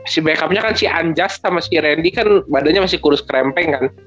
si backupnya kan si anjas sama si rendy kan badannya masih kurus krempeng kan